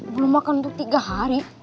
belum makan untuk tiga hari